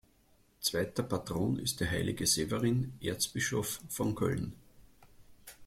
Zweiter Patron ist der Heilige Severin, Erzbischof von Köln.